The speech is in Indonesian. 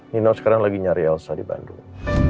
nino sekarang lagi nyari elsa di bandung